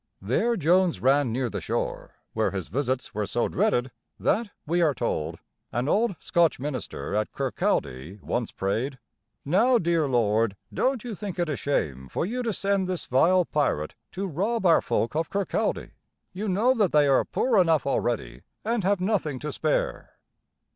There Jones ran near the shore, where his visits were so dreaded that, we are told, an old Scotch minister at Kirk cal´dy once prayed: "Now, dear Lord, don't you think it a shame for you to send this vile pirate to rob our folk of Kirkcaldy? You know that they are poor enough already, and have nothing to spare."